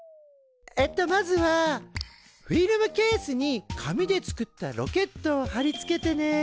えっとまずはフィルムケースに紙で作ったロケットを貼り付けてね。